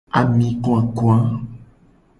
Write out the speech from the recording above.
Ami vava.